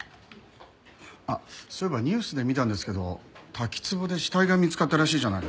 あっそういえばニュースで見たんですけど滝つぼで死体が見つかったらしいじゃないですか。